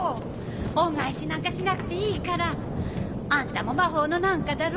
恩返しなんかしなくていいから！あんたも魔法の何かだろ？